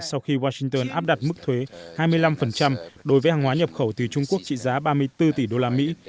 sau khi washington áp đặt mức thuế hai mươi năm đối với hàng hóa nhập khẩu từ trung quốc trị giá ba mươi bốn tỷ đô la mỹ